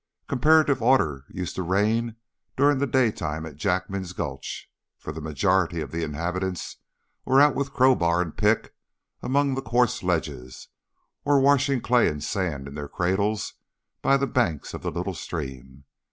Comparative order used to reign during the daytime at Jackman's Gulch, for the majority of the inhabitants were out with crowbar and pick among the quartz ledges, or washing clay and sand in their cradles by the banks of the little stream.